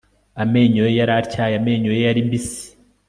amenyo ye yari atyaye, amenyo ye yari mbisi